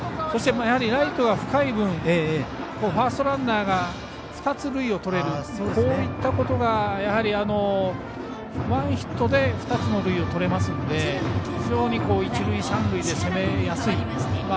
そしてライトが深い分ファーストランナーが２つ塁をとれるこういったことが、やはりワンヒットで２つの塁をとれますので非常に一塁、三塁で攻めやすい。